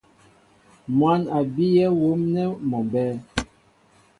Mwǎn a bíyɛ́ wóm nɛ́ mɔ mbɛ́ɛ́.